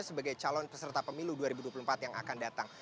sebagai calon peserta pemilu dua ribu dua puluh empat yang akan datang